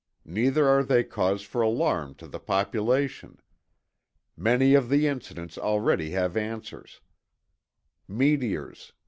Neither are they cause for alarm to the population. Many of the incidents already have answers. Meteors.